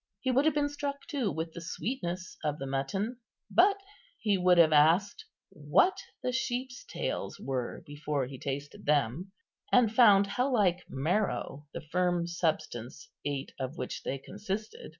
He would have been struck, too, with the sweetness of the mutton; but he would have asked what the sheep's tails were before he tasted them, and found how like marrow the firm substance ate of which they consisted.